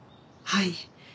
はい。